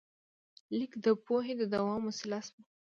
لیک د پوهې د دوام وسیله شوه.